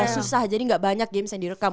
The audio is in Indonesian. susah jadi gak banyak games yang direkam